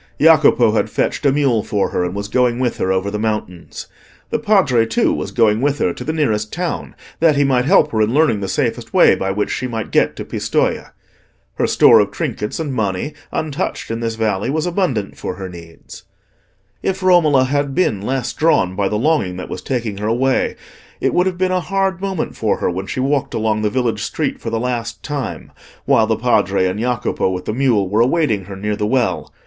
Jacopo had fetched a mule for her, and was going with her over the mountains. The Padre, too, was going with her to the nearest town, that he might help her in learning the safest way by which she might get to Pistoja. Her store of trinkets and money, untouched in this valley, was abundant for her needs. If Romola had been less drawn by the longing that was taking her away, it would have been a hard moment for her when she walked along the village street for the last time, while the Padre and Jacopo, with the mule, were awaiting her near the well.